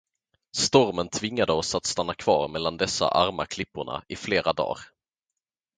Stormen tvingade oss att stanna kvar mellan dessa arma klipporna i flera dar.